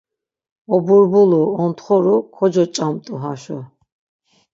Oburbulu, ontxoru kocoç̌amt̆u haşo.